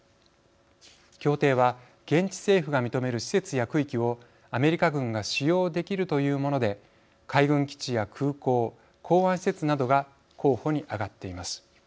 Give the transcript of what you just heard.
協定は、現地政府が認める施設や区域をアメリカ軍が使用できるというもので海軍基地や空港港湾施設などが候補に挙がっています。